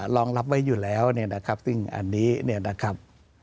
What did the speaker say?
รองรับไว้อยู่แล้วเนี่ยนะครับ